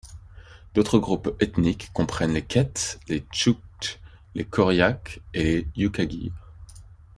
D'autres groupes ethniques comprennent les Kets, les Tchouktches, les Koryaks et les Youkaguires.